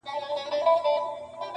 • په دامنځ کي ورنیژدې یو سوداګر سو -